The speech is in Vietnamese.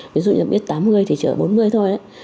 ví dụ như là biết tám mươi thì chở bốn mươi thôi